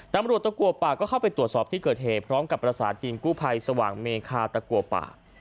ตำรวจตะกัวป่าก็เข้าไปตรวจสอบที่เกิดเหตุพร้อมกับประสานทีมกู้ภัยสว่างเมคาตะกัวป่า